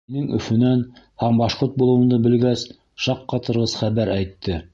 Минең Өфөнән һәм башҡорт булыуымды белгәс, шаҡ ҡатырғыс хәбәр әйтте.